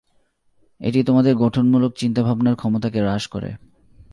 এটি তোমাদের গঠনমূলক চিন্তাভাবনার ক্ষমতাকে হ্রাস করে।